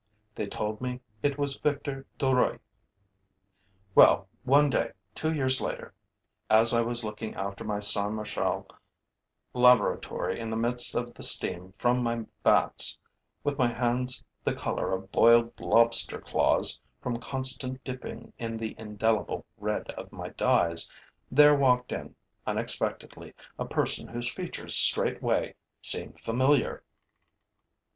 They told me it was Victor Duruy. Well, one day, two years later, as I was looking after my Saint Martial laboratory in the midst of the steam from my vats, with my hands the color of boiled lobster claws from constant dipping in the indelible red of my dyes, there walked in, unexpectedly, a person whose features straightway seemed familiar.